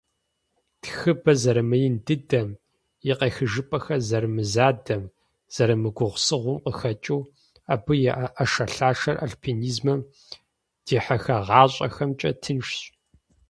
Тхыбэ зэрымыин дыдэм, и къехыжыпӀэхэр зэрымызадэм, зэрымыгугъусыгъум къыхэкӀыу, абы и Ӏэшэлъашэр альпинизмэм дихьэхагъащӀэхэмкӏэ тыншщ.